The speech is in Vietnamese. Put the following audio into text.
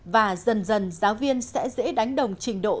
và dần dần giáo viên sẽ dễ đánh đồng trình độ